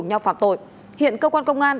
nhau phạm tội hiện cơ quan công an